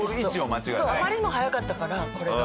あまりにも早かったからこれが。